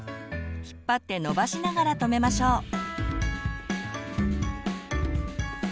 引っ張って伸ばしながらとめましょう。